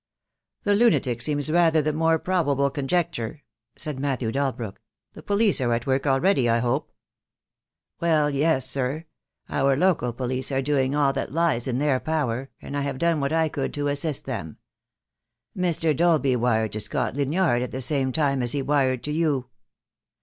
"The lunatic seems rather the more probable con jecture," said Matthew Dalbrook. "The police are at work already, I hope." "Well, sir, yes; our local police are doing all that 86 THE DAY WILL COME. lies in their power, and I have done what I could to assist them. Mr. Dolby wired to Scotland Yard at the same time as he wired to you."